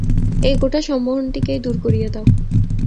এই গোটা সম্মোহনটিকেই দূর করিয়া দাও।